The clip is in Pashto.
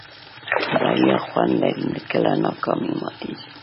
بریا خوند لري کله ناکامي ماتېږي.